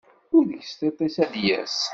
Ur deg tiṭ-is ad d-yas.